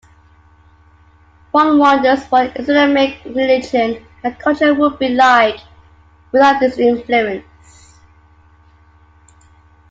One wonders what Islamic religion and culture would be like without this influence.